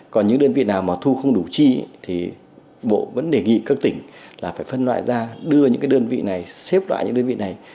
còn những đơn vị nào mà thu không đủ chi thì bộ vẫn đề nghị các tỉnh là phải phân loại ra đưa những đơn vị này xếp loại những đơn vị này